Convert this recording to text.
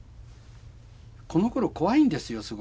このころ怖いんですよ